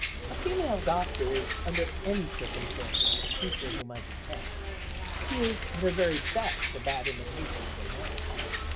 A female doctor is, under any circumstances, a creature whom I detest. She is, at her very best, a bad imitation of a man.